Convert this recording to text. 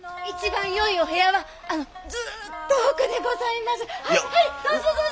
一番よいお部屋はあのずっと奥でございます。